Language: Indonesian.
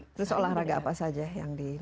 terus olahraga apa saja yang di